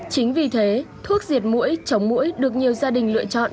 chính vì thế thuốc diệt mũi chống mũi được nhiều gia đình lựa chọn